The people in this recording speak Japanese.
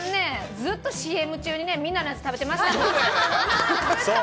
ずっとＣＭ中にみんなのおやつ食べてました。